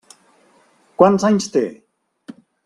Quants anys té?